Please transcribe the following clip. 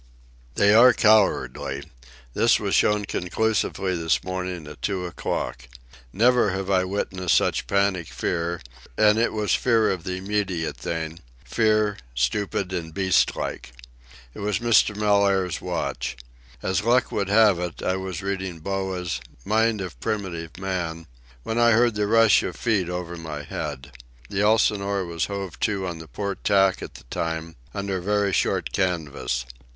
They are cowardly. This was shown conclusively this morning at two o'clock. Never have I witnessed such panic fear, and it was fear of the immediate thing—fear, stupid and beast like. It was Mr. Mellaire's watch. As luck would have it, I was reading Boas's Mind of Primitive Man when I heard the rush of feet over my head. The Elsinore was hove to on the port tack at the time, under very short canvas.